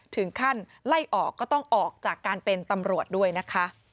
ถึงขั้นไล่ออกก็ต้องออกจากการเป็นตำรวจด้วยนะคะ